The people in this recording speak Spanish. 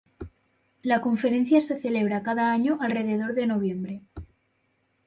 La conferencia se celebra cada año alrededor de noviembre.